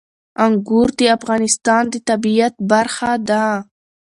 انګور د افغانستان د طبیعت برخه ده.